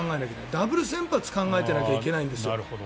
ダブル先発で考えないといけないんですよ。